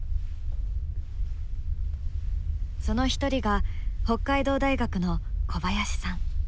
その一人が北海道大学の小林さん。